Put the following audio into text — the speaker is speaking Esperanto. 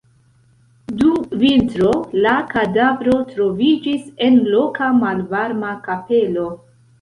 Dum vintro la kadavro troviĝis en loka malvarma kapelo.